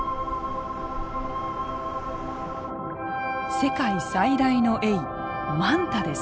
世界最大のエイマンタです。